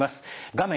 画面